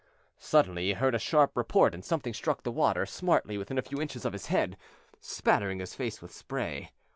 Suddenly he heard a sharp report and something struck the water smartly within a few inches of his head, spattering his face with spray.